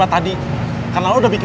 engga ternyata orang ringan